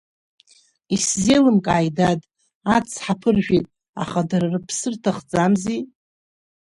Исзеилымкааит, дад, ацҳа ԥыржәет, аха дара рыԥсы рҭахӡамзи?